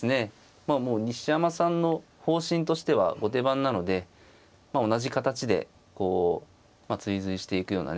もう西山さんの方針としては後手番なので同じ形で追随していくようなね